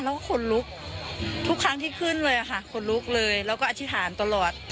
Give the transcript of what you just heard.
แล้วก็ขนลุกทุกครั้งที่ขึ้นเลยค่ะขนลุกเลยแล้วก็อธิษฐานตลอด